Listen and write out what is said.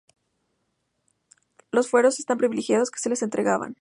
Los Fueros eran privilegios que se les entregaban.